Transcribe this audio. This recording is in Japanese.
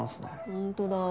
本当だ。